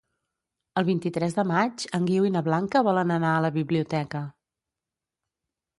El vint-i-tres de maig en Guiu i na Blanca volen anar a la biblioteca.